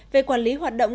về quản lý hoạt động